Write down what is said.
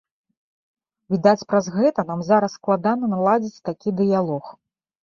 Відаць, праз гэта нам зараз складана наладзіць такі дыялог.